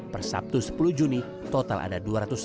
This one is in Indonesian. per sabtu sepuluh juni total ada dua ratus empat puluh